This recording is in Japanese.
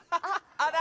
あら？